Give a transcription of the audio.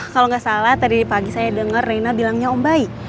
kalau gak salah tadi di pagi saya denger rina bilangnya om bayi